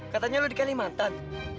katanya lu di kalimantan